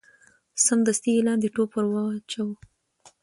سمدستي یې لاندي ټوپ وو اچولی